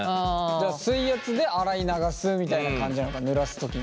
じゃ水圧で洗い流すみたいな感じなのかぬらす時に。